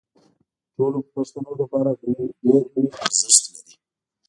د ټولو پښتنو لپاره ډېر لوی ارزښت لري